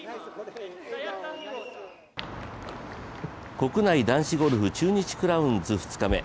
国内男子ゴルフ、中日クラウンズ２日目。